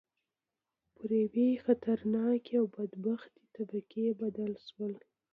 پر یوې خطرناکې او بدبختې طبقې بدل شي.